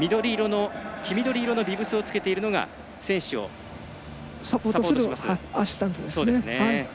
黄緑色のビブスを着けているのが選手をサポートします。